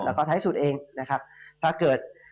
แล้วก็ท้ายสุดเองนะครับถ้าเกิด